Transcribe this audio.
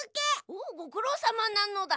おおごくろうさまなのだ。